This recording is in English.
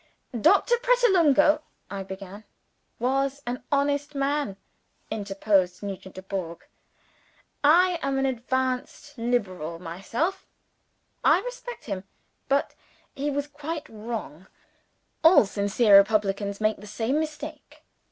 "Doctor Pratolungo " I began. "Was an honest man," interposed Nugent Dubourg. "I am an advanced Liberal myself I respect him. But he was quite wrong. All sincere republicans make the same mistake.